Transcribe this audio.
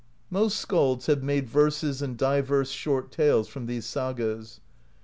Most skalds have made verses and divers short tales from these sagas.